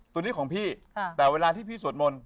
ตัวนี้ของพี่แต่เวลาที่พี่สวดมนต์